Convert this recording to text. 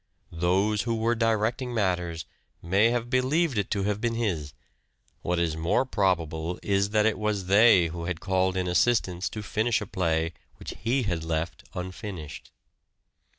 Those who were directing matters may have believed it to have been his : what is more probable is that it was they who had called in assistance to finish a play which he had left unfinished.